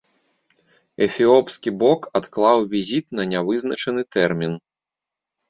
Эфіопскі бок адклаў візіт на нявызначаны тэрмін.